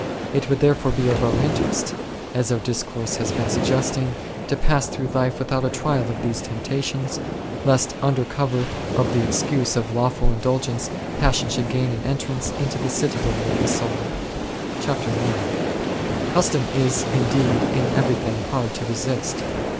It would therefore be for our interest, as our discourse has been suggesting, to pass through life without a trial of these temptations, lest under cover of the excuse of lawful indulgence passion should gain an entrance into the citadel of the soul. >' CHAPTER IX. Custom is indeed in everything hard to resist.